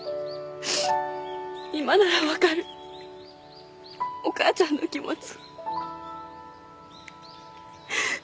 今ならわかるお母ちゃんの気持ち。